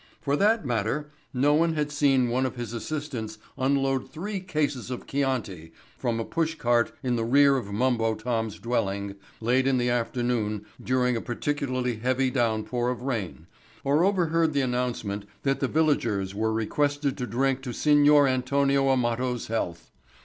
For that matter no one had seen one of his assistants unload three cases of Chianti from a push cart in the rear of Mumbo Tom's dwelling late in the afternoon during a particularly heavy downpour of rain or had overheard the announcement that the villagers were requested to drink to Signor Antonio Amato's health.